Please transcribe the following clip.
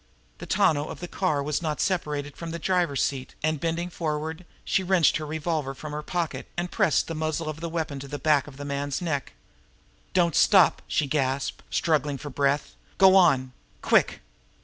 The tonneau of the car was not separated from the driver's seat, and bending forward, she wrenched her revolver from her pocket, and pressed the muzzle of her weapon to the back of the man's neck. "Don't stop!" she gasped, struggling for her breath. "Go on! Quick!"